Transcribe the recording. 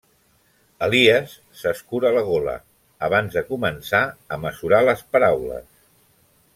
Elies s’escura la gola, abans de començar a mesurar les paraules.